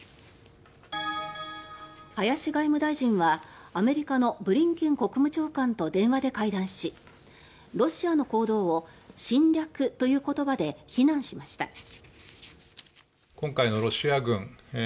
林外務大臣はアメリカのブリンケン国務長官と電話で会談しロシアの行動を侵略という言葉で非難しました。